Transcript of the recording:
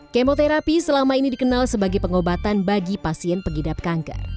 kemoterapi selama ini dikenal sebagai pengobatan bagi pasien pengidap kanker